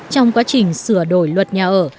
trong quá trình sửa đổi luật nhà ở